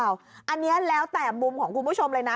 อันนี้แล้วแต่มุมของคุณผู้ชมเลยนะ